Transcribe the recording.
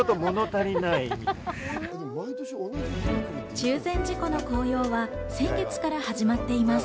中禅寺湖の紅葉は、先月から始まっています。